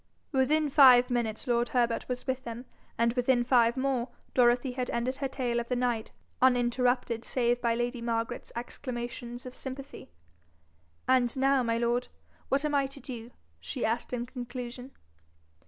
Within five minutes lord Herbert was with them, and within five more, Dorothy had ended her tale of the night, uninterrupted save by lady Margaret's exclamations of sympathy. 'And now, my lord, what am I to do?' she asked in conclusion.